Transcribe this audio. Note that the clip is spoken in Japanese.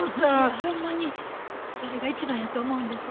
ほんまにそれが一番やと思うんです。